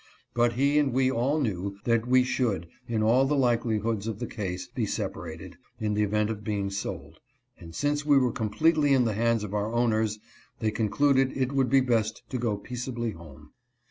But he and we all knew that we should, in all the likelihoods of the case, be separated, in the event of being sold ; and since we were HOPES AND EXPECTATIONS BLASTED. 217 completely in the hands of our owners they concluded it would be best to go peaceably home.